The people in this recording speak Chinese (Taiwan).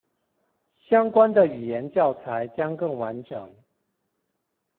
相關的語言教材將更完整